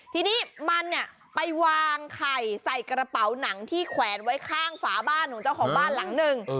ทีนี้มันเนี่ยไปวางไข่ใส่กระเป๋าหนังที่แขวนไว้ข้างฝาบ้านของเจ้าของบ้านหลังหนึ่ง